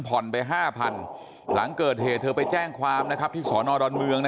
ผ่อนไป๕๐๐๐หลังเกิดเหตุไปแจ้งความนะครับที่สนดอนเมืองนะ